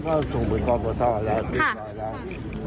ครับก็ส่งบุยกองโฟท่ออกมาแล้วส่งไว้แล้ว